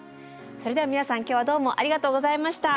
それでは皆さん今日はどうもありがとうございました。